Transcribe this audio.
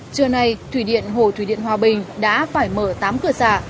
trưa nay thủy điện hồ thủy điện hòa bình đã phải mở tám cửa xả